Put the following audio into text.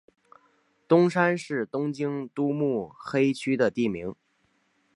东山是东京都目黑区的地名。